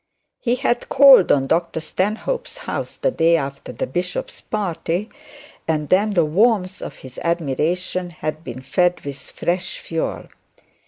He had called at Dr Stanhope's house the day after the bishop's party, and then the warmth of his admiration had been fed with fresh fuel.